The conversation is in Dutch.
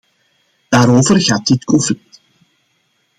Daarover gaat dit conflict.